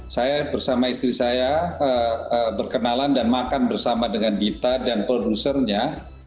saya bersama istri saya berkenalan dan makan bersama dengan dita dan produsernya